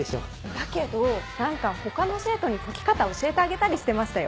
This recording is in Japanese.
だけど何か他の生徒に解き方教えてあげたりしてましたよ。